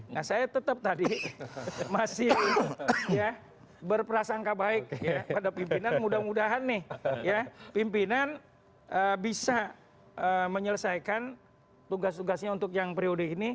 nah saya tetap tadi masih ya berprasangka baik pada pimpinan mudah mudahan nih ya pimpinan bisa menyelesaikan tugas tugasnya untuk yang periode ini